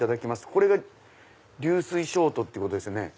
これが流水ショートですよね？